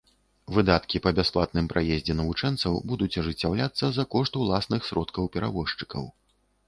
Выдаткі па бясплатным праездзе навучэнцаў будуць ажыццяўляцца за кошт уласных сродкаў перавозчыкаў.